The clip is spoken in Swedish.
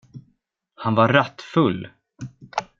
Han var rattfull!